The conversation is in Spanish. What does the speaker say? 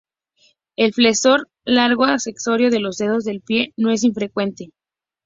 El flexor largo accesorio de los dedos del pie no es infrecuente.